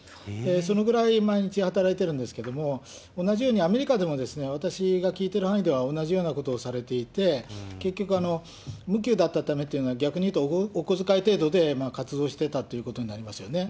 そのぐらい毎日働いているんですけれども、同じようにアメリカでも、私が聞いてる範囲では同じようなことをされていて、結局、無給だったためというのは、逆に言うとお小遣い程度で活動してたということになりますよね。